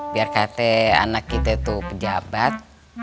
biar kate anak kita tuh pejabat